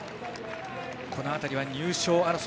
この辺りは入賞争い